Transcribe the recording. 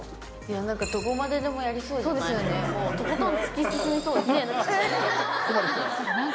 なんかどこまででもやりそうそうだね、とことん突き進みそう。